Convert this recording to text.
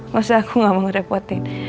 gak usah aku gak mau ngerepotin